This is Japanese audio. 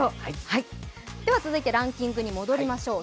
続いてランキングに戻りましょう。